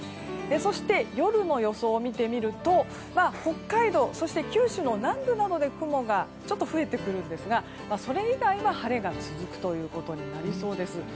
そして、夜の予想を見てみると北海道、そして九州の南部などで雲がちょっと増えてくるんですがそれ以外は晴れが続くということになりそうです。